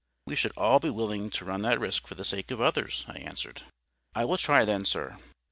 "We should all be willing to run that risk for the sake of others," I answered. "I will try then, sir."